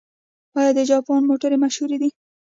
آیا د جاپان موټرې مشهورې دي؟